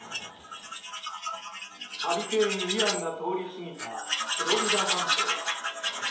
ハリケーン、イアンが通り過ぎたフロリダ半島。